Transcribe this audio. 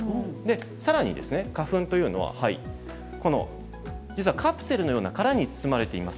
さらに花粉というのは実はカプセルのような殻に包まれています。